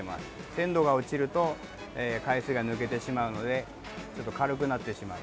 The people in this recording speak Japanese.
鮮度が落ちると海水が抜けてしまうのでちょっと軽くなってしまう。